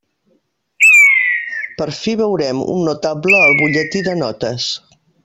Per fi veurem un notable al butlletí de notes.